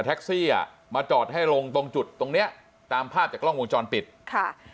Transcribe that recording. แท็กซี่อ่ะมาจอดให้ลงตรงจุดตรงเนี้ยตามภาพจากกล้องวงจรปิดค่ะ